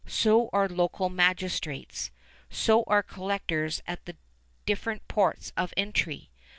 So are local magistrates. So are collectors at the different ports of entry.